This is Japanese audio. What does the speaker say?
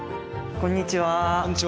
こんにちは。